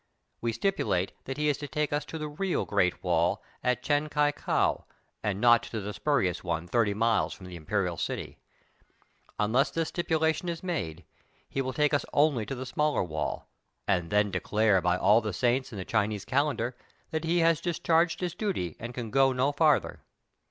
We stipulate that he is to take us to the real great wall at Chan Kia Kow, and not to the spurious one thirty miles from the imperial city; unless this stipulation is made he will take us only to the smaller wall, and 182 THE TALKING HANDKERCHIEF. then declare by all the saints in the Chinese calen dar that he has discharged his duty and can go no farther.